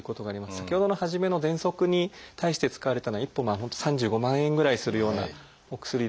先ほどの初めのぜんそくに対して使われたのは１本３５万円ぐらいするようなお薬で。